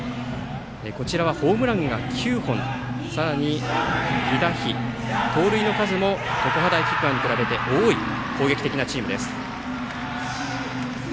こちらはホームランが９本さらに犠打飛、盗塁の数も常葉大菊川に比べて多い攻撃的なチームです。